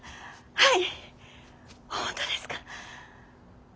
はい！